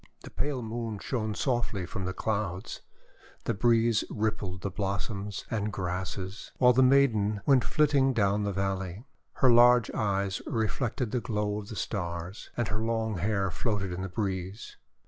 The pale Moon shone softly from the Clouds, the breeze rippled the blossoms and grasses, while the maiden went flitting down the valley. Her large eyes reflected the glow of the Stars, and her long hair floated on the breeze.